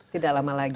tidak lama lagi